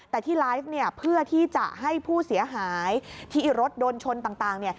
แต่ที่ไลฟ์เนี่ยเพื่อที่จะให้ผู้เสียหายที่รถโดนชนต่าง